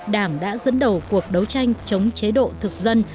đảng đã dẫn đầu cuộc đấu tranh chống chế độ thực dân